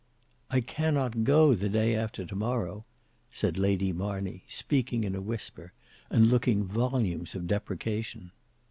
"I cannot go the day after to morrow," said Lady Marney, speaking in a whisper, and looking volumes of deprecation.